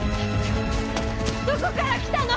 どこから来たの？